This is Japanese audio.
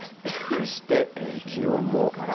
そして気温も。